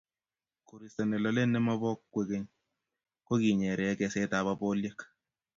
koristo nelolei nemobo kwekeny ko kinyere kesetab appolyek